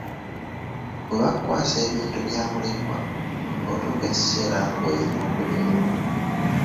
Bwe bakkwasa ebintu bya mulekwa otuuka ekiseera ng'oyina okubimuwa.